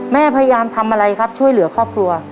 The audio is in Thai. พยายามทำอะไรครับช่วยเหลือครอบครัว